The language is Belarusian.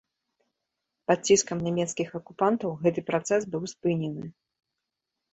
Пад ціскам нямецкіх акупантаў гэты працэс быў спынены.